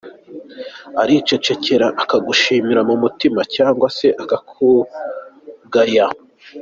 Aricecekera akagushimira mu mutima cyangwa se akakugaya.